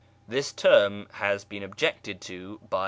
This term has been objected to by M.